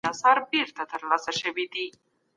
د مغولو زوال د حاکمانو لپاره ښه فرصت و.